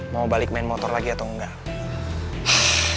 mau balik main motor lagi atau enggak